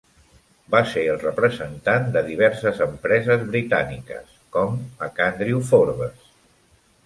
Va ser el representant de diverses empreses britàniques, com MacAndrew Forbes.